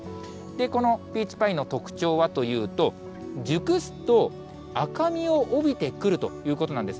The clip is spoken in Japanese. このピーチパインの特徴はというと、熟すと赤みを帯びてくるということなんです。